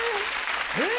えっ